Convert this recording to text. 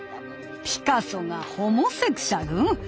ピカソがホモセクシャル？